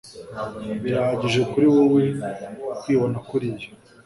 Birahagije kuri wewe kwibonakuriya